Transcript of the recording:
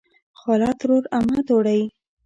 خاله ترور امه توړۍ